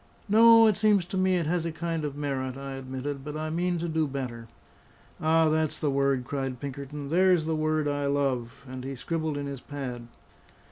No, it seems to me it has a kind of merit," I admitted; "but I mean to do better." "Ah, that's the word!" cried Pinkerton. "There's the word I love!" and he scribbled in his pad.